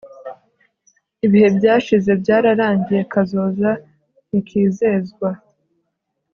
ibihe byashize byararangiye. kazoza ntikizezwa